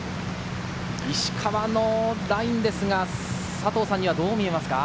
石川のラインですが、佐藤さんにはどう見えますか？